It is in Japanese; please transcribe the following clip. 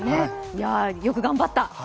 よく頑張った。